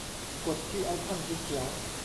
กดที่ไอคอนสีเขียว